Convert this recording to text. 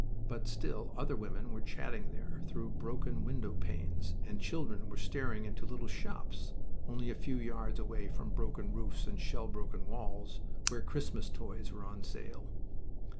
But, still, other women were chatting together through broken window panes, and children were staring into little shops (only a few yards away from broken roofs and shell broken walls) where Christmas toys were on sale.